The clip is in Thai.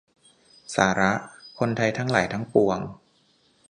สาระ คนไทยทั้งหลายทั้งปวง